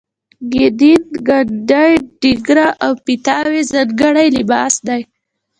ګدین ګنډۍ ډیګره او پایتاوې ځانګړی لباس دی.